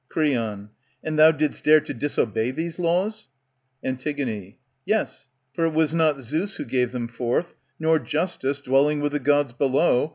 Creon, And thou did'st dare to disobey these laws ? Antig, Yes, for it was not Zeus who gave them forth, '^ Nor Justice, dwelling with the Gods below.